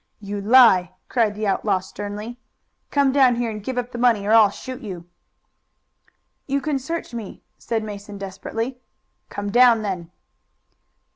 "You lie!" cried the outlaw sternly. "Come down here and give up the money or I'll shoot you." "You can search me," said Mason desperately. "Come down then."